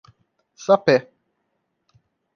Sapé